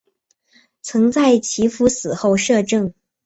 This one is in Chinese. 曾在其夫死后摄政。